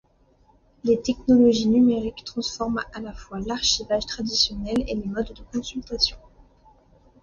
Les technologies numériques transforment à la fois l'archivage traditionnel et les modes de consultation.